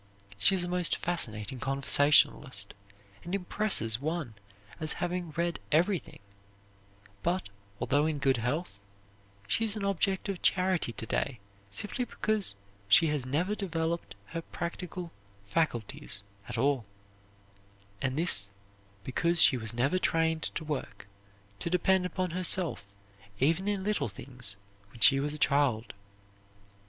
She is a most fascinating conversationalist and impresses one as having read everything, but, although in good health, she is an object of charity to day, simply because she has never developed her practical faculties at all, and this because she was never trained to work, to depend upon herself even in little things when she was a child.